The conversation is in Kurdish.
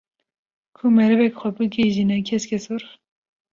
ku merivek xwe bigîjîne keskesor